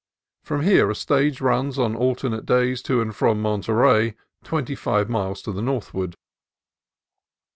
From here a stage runs on alternate days to and from Monterey, twenty five miles to the northward.